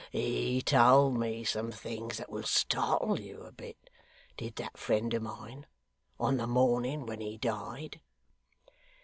He told me some things that would startle you a bit, did that friend of mine, on the morning when he died.